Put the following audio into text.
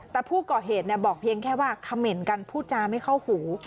แต่ผู้ก่อเหตุบอกเพียงแค่ว่าเขม่นกันพูดจาไม่เข้าหู